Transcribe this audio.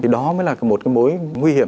thì đó mới là một cái mối nguy hiểm